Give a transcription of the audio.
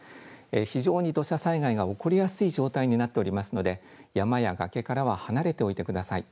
非常に土砂災害が起こりやすい状態になっておりますので、山や崖からは離れておいてください。